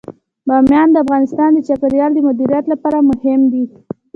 بامیان د افغانستان د چاپیریال د مدیریت لپاره مهم دي.